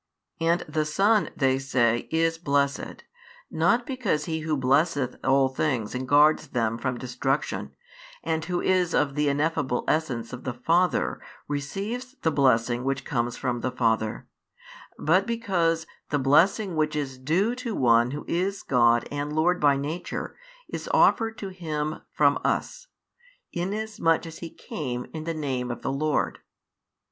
And the Son, they say, is Blessed: not because He Who blesseth all things and guards them from destruction, and Who is of the ineffable Essence of the Father, receives the blessing which comes from the Father; but because the blessing which is due to One Who is God and Lord by Nature is offered to Him from us, inasmuch as He came in the Name of the Lord.